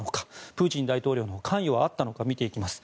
プーチン大統領の関与はあったのか見ていきます。